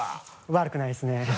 悪くないですね。